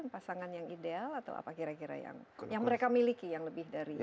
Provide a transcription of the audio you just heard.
pasangan yang ideal atau apa kira kira yang mereka miliki yang lebih dari